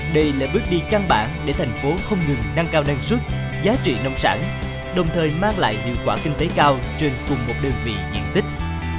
đây là bước đi căn bản để thành phố không ngừng nâng cao năng suất giá trị nông sản đồng thời mang lại hiệu quả kinh tế cao trên cùng một đơn vị diện tích